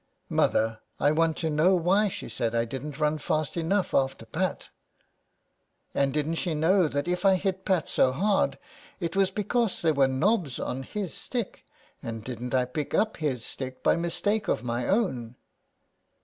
*' Mother, I want to know why she said I didn't run fast enough after Pat. And didn't she know that if I hit Pat so hard it was because there were knobs on his stick; and didn't I pick up his stick by mistake of my own."